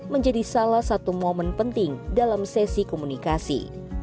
menjadi salah satu momen penting dalam sesi komunikasi